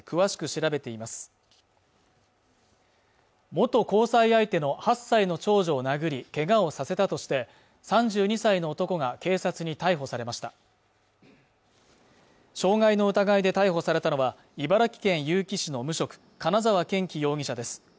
元交際相手の８歳の長女を殴りけがをさせたとして３２歳の男が警察に逮捕されました傷害の疑いで逮捕されたのは茨城県結城市の無職金沢健樹容疑者です